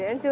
em rất sợ